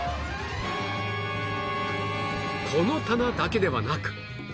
この棚だけではなく